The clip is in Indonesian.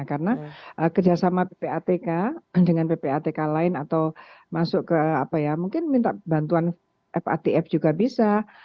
karena kerjasama ppatk dengan ppatk lain atau masuk ke apa ya mungkin minta bantuan fatf juga bisa